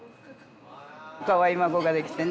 かわいい孫ができてね。